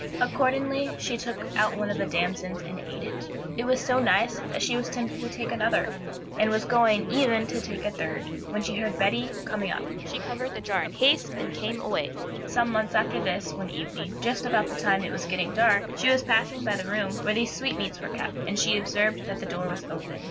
Accordingly, she took out one of the damsons and ate it. It was so nice that she was tempted to take another; and was going even to take a third, when she heard Betty coming up. She covered the jar in haste and came away. Some months after this, one evening, just about the time it was getting dark, she was passing by the room where these sweetmeats were kept, and she observed that the door was open.